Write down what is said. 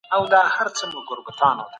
ولي ډیجیټلي وسایل په ښوونځي کي مهم دي؟